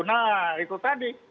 nah itu tadi